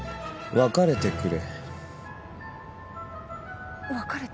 別れてくれ？